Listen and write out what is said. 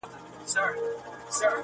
واړه او لوی ښارونه!.